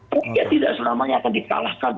rakyat tidak selamanya akan dikalahkan